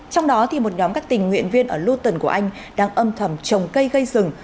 trong đó một nhóm các tình nguyện viên ở louton của anh đang âm thầm trồng cây gây rừng